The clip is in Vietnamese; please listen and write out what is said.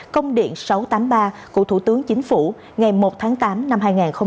công điện sáu trăm tám mươi ba của thủ tướng chính phủ ngày một tháng tám năm hai nghìn hai mươi